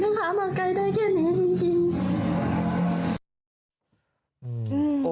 แม่ค้ามาไกลได้แค่นี้จริงจริง